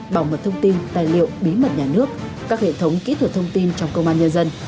bảo mật thông tin tài liệu bí mật nhà nước các hệ thống kỹ thuật thông tin trong công an nhân dân